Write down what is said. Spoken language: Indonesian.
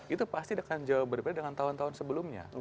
itu pasti akan jauh berbeda dengan tahun tahun sebelumnya